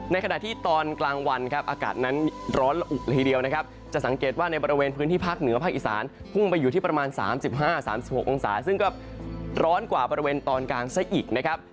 ขณะที่ตอนกลางวันครับอากาศนั้นร้อนละอุเลยทีเดียวนะครับจะสังเกตว่าในบริเวณพื้นที่ภาคเหนือภาคอีสานพุ่งไปอยู่ที่ประมาณ๓๕๓๖องศาซึ่งก็ร้อนกว่าบริเวณตอนกลางซะอีกนะครับ